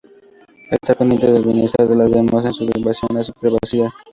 Estar pendiente del bienestar de los demás es una invasión a su privacidad.